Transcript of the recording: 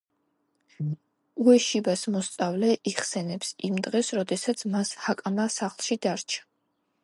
უეშიბას მოსწავლე იხსენებს იმ დღეს, როდესაც მას ჰაკამა სახლში დარჩა.